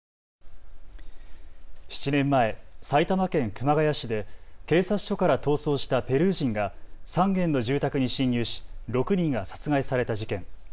７年前、埼玉県熊谷市で警察署から逃走したペルー人が３軒の住宅に侵入し６人が殺害された事件。